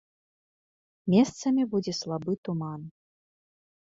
Месцамі будзе слабы туман.